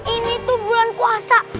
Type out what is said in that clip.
ini tuh bulan puasa